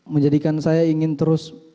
menjadikan saya ingin terus